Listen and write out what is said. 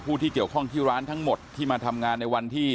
ที่เกี่ยวข้องที่ร้านทั้งหมดที่มาทำงานในวันที่